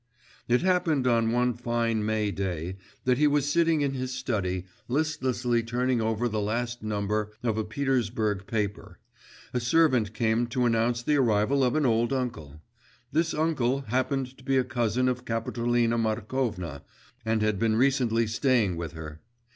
It happened on one fine May day, that he was sitting in his study, listlessly turning over the last number of a Petersburg paper; a servant came to announce the arrival of an old uncle. This uncle happened to be a cousin of Kapitolina Markovna and had been recently staying with her.